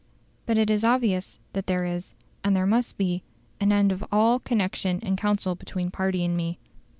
But it is obvious that there is, and there must be, an end of all connection and counsel between party and me.